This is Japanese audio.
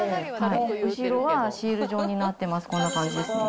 後ろはシール状になってます、こんな感じですね。